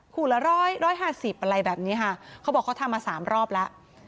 ละร้อยร้อยห้าสิบอะไรแบบนี้ค่ะเขาบอกเขาทำมาสามรอบแล้ว